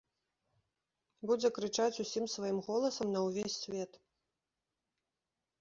Будзе крычаць усім сваім голасам на ўвесь свет.